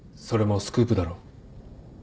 それもスクープだろ？